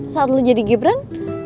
saat lo jadi gibran